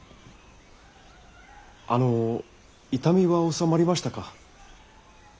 あの痛みは治まりましたか？